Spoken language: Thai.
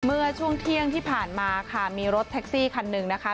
เมื่อช่วงเที่ยงที่ผ่านมาค่ะมีรถแท็กซี่คันหนึ่งนะคะ